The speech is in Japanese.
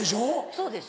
そうです。